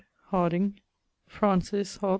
Harding. Francis m.